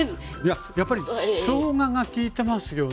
やっぱりしょうががきいてますよね。